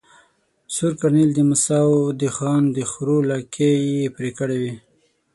سور کرنېل د مساو د خان د خرو لکې ېې پرې کړي وه.